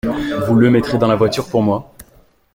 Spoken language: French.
Vous le mettrez dans la voiture pour moi ?